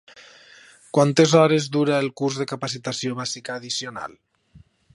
Quantes hores dura el curs de capacitació bàsica addicional?